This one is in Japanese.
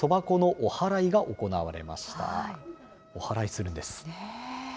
おはらいするんです。